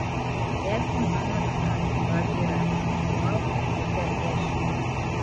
Ләкин онотма, Багира: Маугли үтә йәш...